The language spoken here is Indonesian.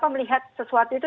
melihat sesuatu itu